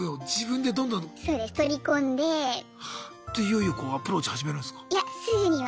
でいよいよこうアプローチ始めるんすか？